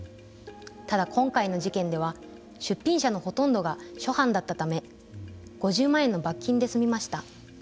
ただ今回の事件では、出品者のほとんどが初犯だったため５０万円の罰金で済みました。